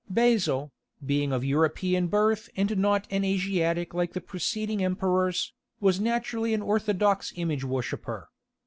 Basil, being of European birth and not an Asiatic like the preceding emperors, was naturally an orthodox image worshipper.